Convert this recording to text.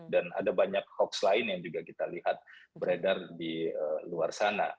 dan ada banyak hoaks lain yang juga kita lihat beredar di luar sana